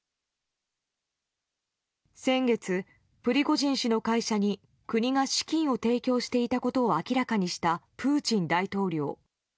先月、プリゴジン氏の会社に国が資金を提供していたことを明らかにしたプーチン大統領。